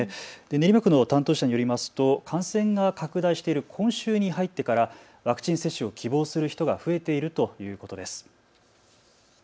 練馬区の担当者によりますと感染が拡大している今週に入ってからワクチン接種を希望する人が増えているということです。